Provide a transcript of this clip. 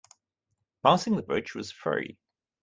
Passing the bridge was free.